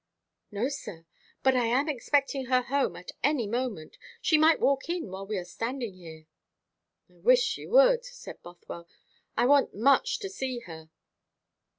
"No, sir; but I am expecting her home at any moment. She might walk in while we are standing here." "I wish she would," said Bothwell. "I want much to see her."